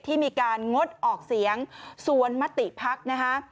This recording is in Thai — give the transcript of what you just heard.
ที่มีการงดออกเสียงส่วนมติภักดิ์นะคะ